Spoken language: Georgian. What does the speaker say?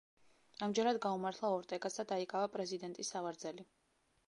ამჯერად გაუმართლა ორტეგას და დაიკავა პრეზიდენტის სავარძელი.